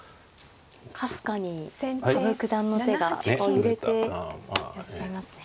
かすかに羽生九段の手が揺れていらっしゃいますね。